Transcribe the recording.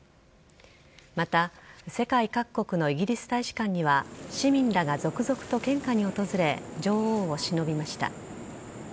また世界各国のイギリス大使館には市民らが続々と献花に訪れ女王をしのびました。